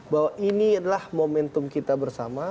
bahwa ini adalah momentum kita bersama